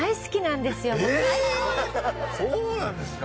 えっそうなんですか？